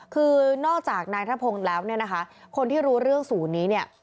คือนอกจากนายนาธพงศ์แล้วคนที่รู้เรื่องศูนนี้